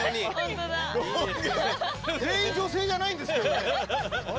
全員女性じゃないんですけどね。